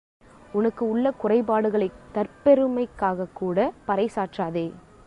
உனக்கு உள்ள குறைபாடுகளைத் தற்பெருமைக்காகக் கூடப் பறைசாற்றாதே.